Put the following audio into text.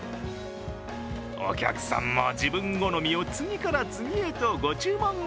お客さんも自分好みを次から次へとご注文。